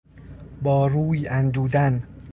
با روی اندودن